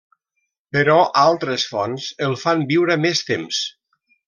Però altres fonts el fan viure més temps.